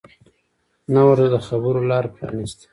نه ورته د خبرو لاره پرانیستې